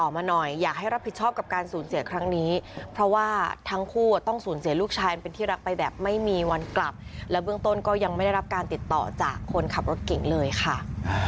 ไม่เคยเกลียดเละไม่เคยตบต่อยตีใครเลยจ้ะ